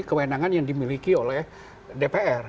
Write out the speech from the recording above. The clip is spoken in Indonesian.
kewenangan yang dimiliki oleh dpr